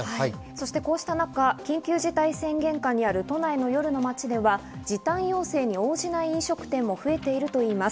こうした中、緊急事態宣言下にある都内の夜の街では時短要請に応じない飲食店も増えているといいます。